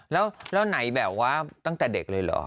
แล้วไหนแบบว่าตั้งแต่เด็กเลยเหรอ